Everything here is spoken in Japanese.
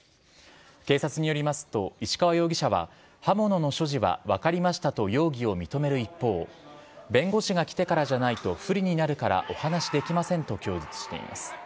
警察によりますと、石川容疑者は刃物の所持は、分かりましたと容疑を認める一方、弁護士が来てからじゃないと不利になるからお話しできませんと供述しています。